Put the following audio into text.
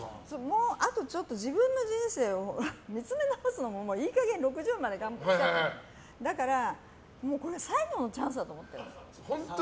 あとちょっと自分の人生を見つめ直すのもいい加減６０まで頑張ってきたからだから、最後のチャンスだと思ってます。